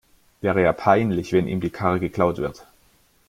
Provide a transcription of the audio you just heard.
Wäre ja peinlich, wenn ihm die Karre geklaut wird.